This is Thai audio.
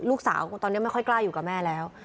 ลูกสาวตอนนี้ไม่ค่อยกล้าอยู่กับแม่แล้ว